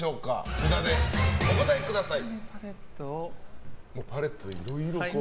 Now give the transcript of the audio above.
札でお答えください。